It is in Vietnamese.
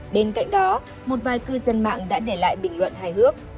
bên cạnh đó một vài cư dân mạng đã để lại bình luận hài hước